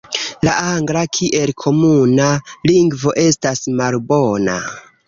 La angla kiel komuna lingvo estas malbona.